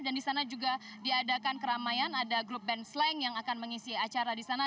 dan di sana juga diadakan keramaian ada grup band slang yang akan mengisi acara di sana